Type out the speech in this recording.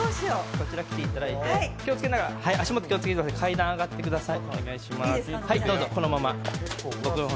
こちら来ていただいて、足元気をつけて階段上がってください。